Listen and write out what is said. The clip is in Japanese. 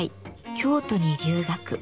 京都に留学。